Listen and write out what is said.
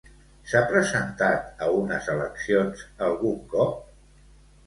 S'ha presentat a unes eleccions algun cop?